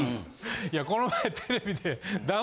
いやこの前テレビで。